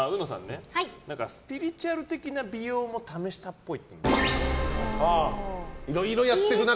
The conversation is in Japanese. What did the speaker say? スピリチュアル的な美容も試したっぽい。